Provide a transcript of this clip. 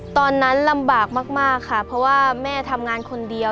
ตอนนั้นลำบากมากค่ะเพราะว่าแม่ทำงานคนเดียว